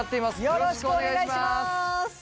よろしくお願いします